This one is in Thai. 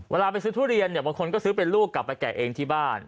เวลาไปซื้อทุเรียนเนี่ยบางคนก็ซื้อเป็นลูกกลับไปแกะเองที่บ้าน